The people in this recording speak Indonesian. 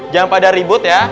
jangan pada ribut ya